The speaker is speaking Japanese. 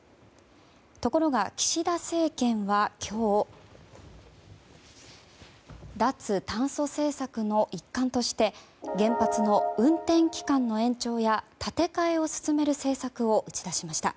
ところが、岸田政権は今日脱炭素政策の一環として原発の運転期間の延長や建て替えを進める政策を打ち出しました。